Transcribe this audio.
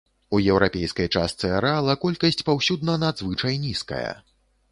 У еўрапейскай частцы арэала колькасць паўсюдна надзвычай нізкая.